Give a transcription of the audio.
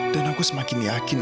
dan aku semakin yakin